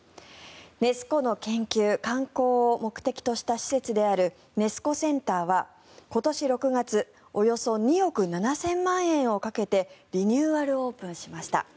ネス湖の研究・観光を目的とした施設であるネス湖センターは今年６月およそ２億７０００万円をかけてリニューアルオープンしました。